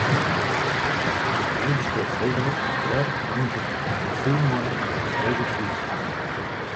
Neffens my beskriuwt Goodijk, dêr nammentlik in gefoel mei dat breder field wurdt.